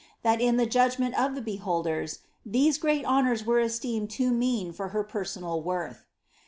that in the judgment of the beholden, theie mat hoooan weie ee teemed too mean for her personal worth.'